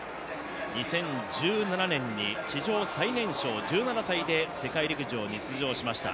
２０１７年に史上最年少１７歳で世界陸上に出場しました。